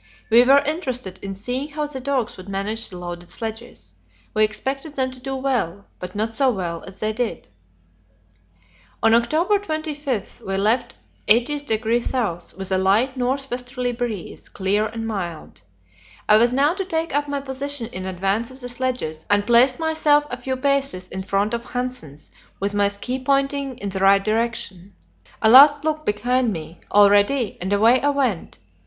We were interested in seeing how the dogs would manage the loaded sledges. We expected them to do well, but not so well as they did. On October 25 we left 80° S. with a light north westerly breeze, clear and mild. I was now to take up my position in advance of the sledges, and placed myself a few paces in front of Hanssen's, with my ski pointing in the right direction. A last look behind me: "All ready?" and away I went.